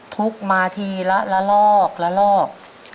ทุกข์มาทีละลอกละลอก